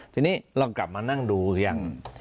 ทีนี้เรากลับมานั่งดูอย่าง